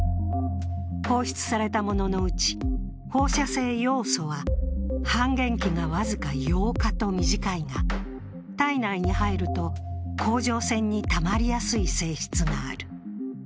放出されたもののうち放射性ヨウ素は、半減期が僅か８日と短いが体内に入ると甲状腺にたまりやすい性質がある。